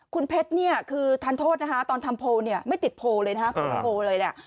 คุณเพชรเนี่ยคือทานโทษนะคะตอนทำโพลเนี่ยไม่ติดโพลเลยนะ